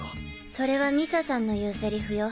それは美佐さんの言うセリフよ。